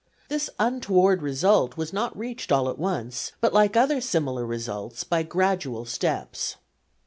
This untoward result was not reached all at once, but like other similar results, by gradual steps.